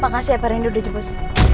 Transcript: makasih ya pak rindu udah jemput